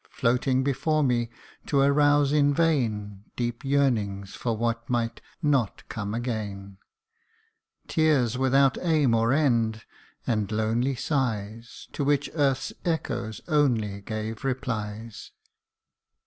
Floating before me to arouse in vain Deep yearnings, for what might not come again, Tears without aim or end, and lonely sighs, To which earth's echoes only gave replies.